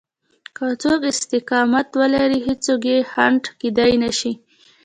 که څوک استقامت ولري هېڅوک يې خنډ کېدای نشي.